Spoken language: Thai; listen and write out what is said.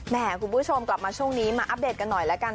คุณผู้ชมกลับมาช่วงนี้มาอัปเดตกันหน่อยแล้วกัน